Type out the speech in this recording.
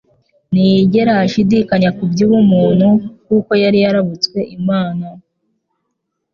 ntiyigera ashidikanya kuby'ubumuntu kuko yari yarabutswe Imana.